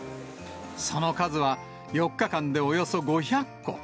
その数は、４日間で、およそ５００個。